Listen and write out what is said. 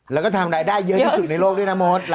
แล้วก็ทำรายได้เยอะที่สุดในโลกด้วยนะมด